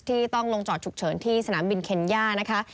ที่ต้องลงจอดฉุกเฉินที่สนามบินเคนย่านะคะ